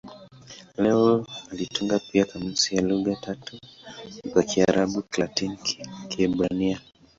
Leo alitunga pia kamusi ya lugha tatu za Kiarabu-Kilatini-Kiebrania.